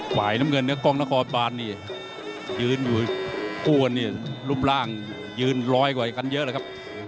ฝ่ายน้ำเงินเนื้อกล้องนครบานนี่ยืนอยู่คู่กันนี่รูปร่างยืนร้อยกว่ากันเยอะเลยครับ